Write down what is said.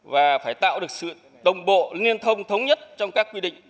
và phải tạo được sự đồng bộ liên thông thống nhất trong các quy định